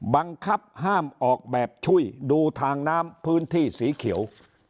บังคับห้ามออกแบบช่วยดูทางน้ำพื้นที่สีเขียว